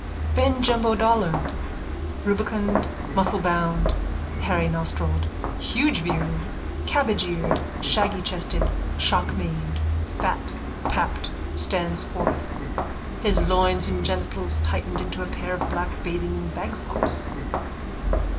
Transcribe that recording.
_(Ben Jumbo Dollard, rubicund, musclebound, hairynostrilled, hugebearded, cabbageeared, shaggychested, shockmaned, fatpapped, stands forth, his loins and genitals tightened into a pair of black bathing bagslops.)